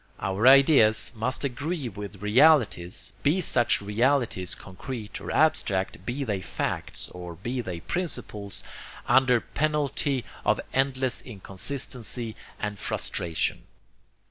Our ideas must agree with realities, be such realities concrete or abstract, be they facts or be they principles, under penalty of endless inconsistency and frustration.